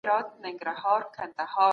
د تاریخ په تورو تیارو کي د حق رڼا ولټوئ.